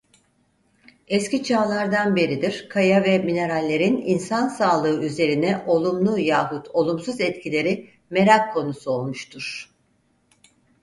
Eski çağlardan beridir kaya ve minerallerin insan sağlığı üzerine olumlu yahut olumsuz etkileri merak konusu olmuştur.